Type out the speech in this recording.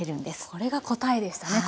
これが答えでしたね